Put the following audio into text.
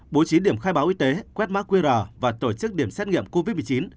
bố trí điểm khai báo y tế quét mã qr và tổ chức điểm xét nghiệm covid một mươi chín